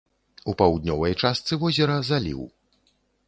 У паўднёвай частцы возера заліў.